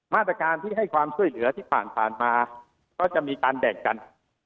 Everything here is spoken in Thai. มาตรการที่ให้ความช่วยเหลือที่ผ่านมาก็จะมีการแบ่งกัน